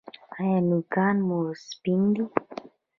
ایا نوکان مو سپین دي؟